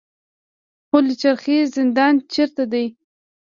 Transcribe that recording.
پل چرخي زندان چیرته دی؟